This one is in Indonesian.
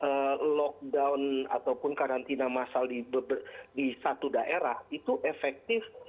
kalau lockdown ataupun karantina masal di satu daerah itu efektif